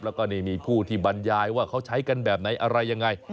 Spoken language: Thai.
แล้วก็นี่มีผู้ที่บรรยายว่าเขาใช้กันแบบไหนอะไรยังไง